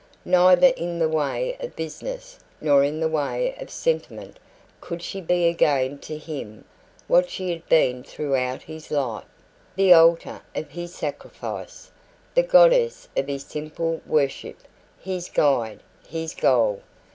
Neither in the way of business nor in the way of sentiment could she be again to him what she had been throughout his life the altar of his sacrifice, the goddess of his simple worship, his guide, his goal.